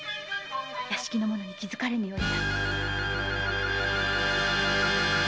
屋敷の者に気づかれぬようにな。